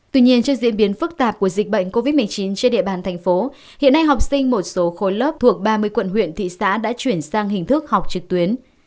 tuy nhiên trước diễn biến phức tạp của dịch bệnh covid một mươi chín trên địa bàn thành phố hiện nay học sinh một số khối lớp thuộc ba mươi quận huyện thị xã đã chuyển sang hình thức học trực tuyến